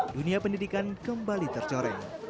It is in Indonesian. dunia pendidikan kembali tercoreng